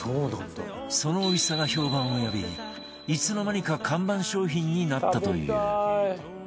そのおいしさが評判を呼びいつの間にか看板商品になったという